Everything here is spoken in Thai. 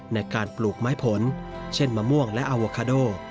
ในการปลูกไม้ผลเช่นมะม่วงและอาโวคาโด